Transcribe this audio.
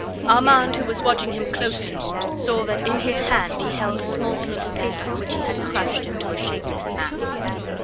Armand, who was watching him closely, saw that in his hand he held a small piece of paper, which he had crushed into a shapeless mass.